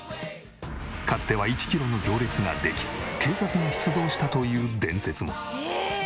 かつては１キロの行列ができ警察も出動したという伝説も。